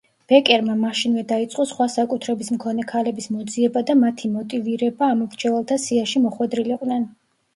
ბეკერმა მაშინვე დაიწყო სხვა საკუთრების მქონე ქალების მოძიება და მათი მოტივირება ამომრჩეველთა სიაში მოხვედრილიყვნენ.